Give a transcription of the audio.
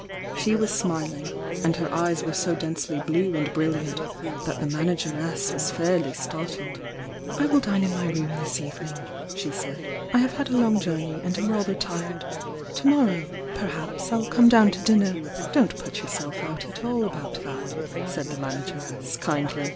She was smiling, and her eyes were so densely blue and bri'Mant that the man ageress was fairly startled. "I will dine in my room this evening," she said. "I have had a long journey, and am rather tired. To morrow, perhaps, I'll come down to dinner " "Don't put yourself out at all about that," said the manageress, kindly.